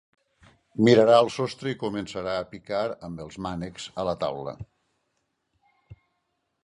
Mirarà al sostre i començarà a picar amb els mànecs a la taula.